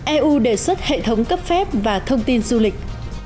eu đề xuất hệ thống cấp phép và thông tin du lịch